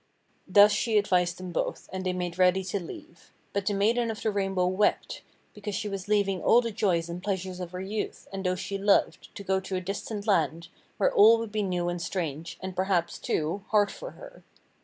Thus she advised them both, and they made ready to leave. But the Maiden of the Rainbow wept, because she was leaving all the joys and pleasures of her youth, and those she loved, to go to a distant land, where all would be new and strange, and perhaps, too, hard for her.